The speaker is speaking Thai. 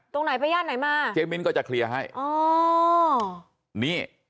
ตรงไหนไปย่านไหนมาเจ๊มิ้นก็จะเคลียร์ให้อ๋อนี่